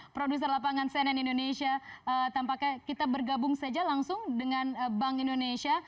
produser lapangan cnn indonesia tampaknya kita bergabung saja langsung dengan bank indonesia